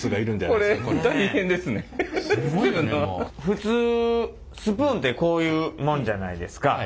普通スプーンってこういうもんじゃないですか。